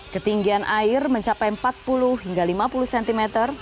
ketinggian air mencapai empat puluh hingga lima puluh cm